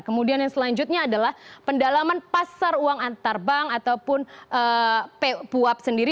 kemudian yang selanjutnya adalah pendalaman pasar uang antar bank ataupun puap sendiri